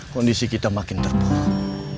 kondisi kita makin terpulang